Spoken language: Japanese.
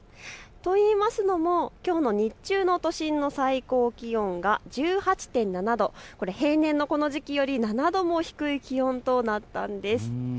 というのも、きょうの日中の都心の最高気温が１８．７度、平年のこの時期より７度も低い気温となったんです。